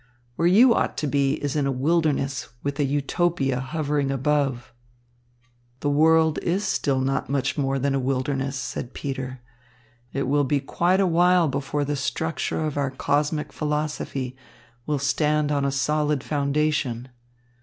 Where you ought to be is in a wilderness with a Utopia hovering above." "The world is still not much more than a wilderness," said Peter. "It will be quite a while before the structure of our cosmic philosophy will stand on a solid foundation.